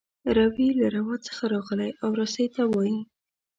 روي له روا څخه راغلی او رسۍ ته وايي.